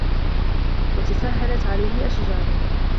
وَتَسَهَّلَتْ عَلَيْهِ أَشْجَانُهُ